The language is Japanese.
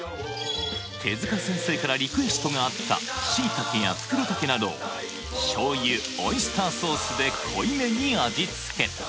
手先生からリクエストがあったシイタケやフクロタケなどを醤油オイスターソースで濃いめに味付け